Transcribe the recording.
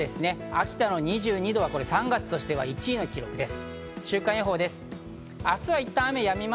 秋田の２２度は３月としては１位の記録です。